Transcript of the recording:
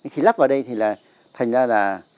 khi lắp vào đây thì là thành ra là